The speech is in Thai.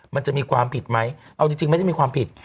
มันจะมีความผิดไหมเอาจริงไม่ได้มีความผิด